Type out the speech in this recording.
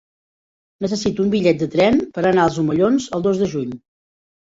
Necessito un bitllet de tren per anar als Omellons el dos de juny.